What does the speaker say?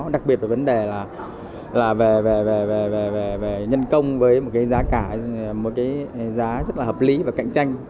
đặc biệt là vấn đề là về nhân công với một cái giá rất là hợp lý và cạnh tranh